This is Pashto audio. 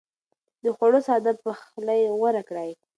د خوړو ساده پخلی غوره کړئ.